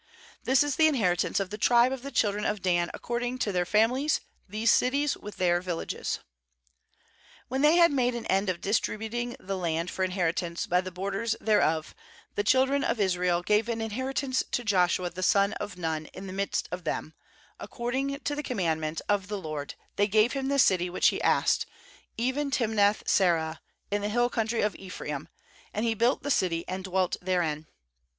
48This is the inheritance of the tribe of the children of Dan according to their families, these cities with then* villages. 49When they had made an end of distributing the land for inheritance by the borders thereof, the children of Israel gave an inheritance to Joshua the son of Nun in the midst of them; 50according to the commandment of 2S4 JOSHUA 21.6 the LORD they gave him the city which he asked, even Timnath serah in the hill country of Ephraim; and he built the city, and dwelt therein.